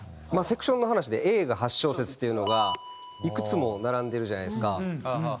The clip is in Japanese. セクションの話でＡが８小節っていうのがいくつも並んでるじゃないですか。